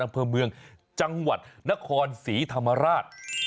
อำเภอเมืองจังหวัดนครศรีธรรมราช